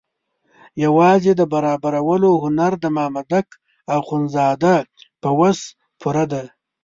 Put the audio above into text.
یوازې د برابرولو هنر د مامدک اخندزاده په وس پوره ده.